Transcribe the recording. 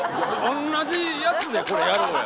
「同じやつでこれやろうや！